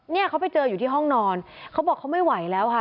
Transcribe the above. เนี่ยเขาไปเจออยู่ที่ห้องนอนเขาบอกเขาไม่ไหวแล้วค่ะ